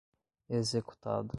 executados